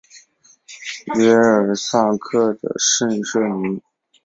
耶尔萨克的圣热尼。